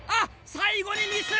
最後にミス！